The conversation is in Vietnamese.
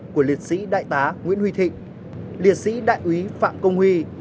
của liệt sĩ đại tá nguyễn huy thịnh liệt sĩ đại úy phạm công huy